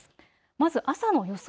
まず朝の予想